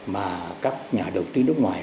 mà các nhà đầu tư nước ngoài